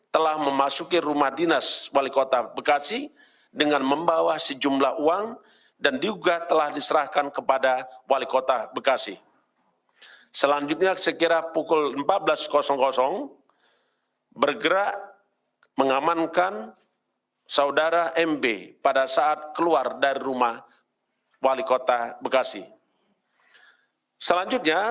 tim kkpk memaksudkan penyelenggaran uang kepada penyelenggaran negara